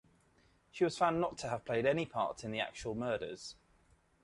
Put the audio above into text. She was found not to have played any part in the actual murders.